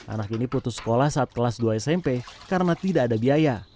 anak ini putus sekolah saat kelas dua smp karena tidak ada biaya